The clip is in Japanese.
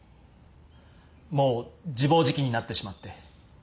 もう自暴自棄になってしまって。